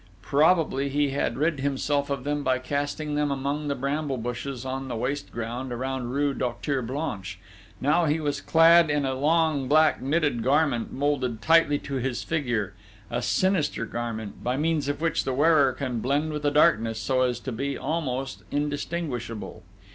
Probably he had rid himself of them by casting them among the bramble bushes on the waste ground around rue Docteur Blanche.... Now he was clad in a long black knitted garment moulded tightly to his figure, a sinister garment, by means of which the wearer can blend with the darkness so as to be almost indistinguishable.